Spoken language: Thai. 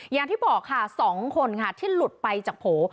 อย่างที่บอกค่ะ๒คนค่ะที่หลุดไปจากโผล่